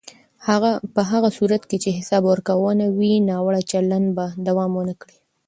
په هغه صورت کې چې حساب ورکونه وي، ناوړه چلند به دوام ونه کړي.